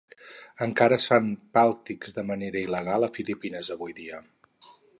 Encara es fan "Paltiks" de manera il·legal a Filipines avui dia.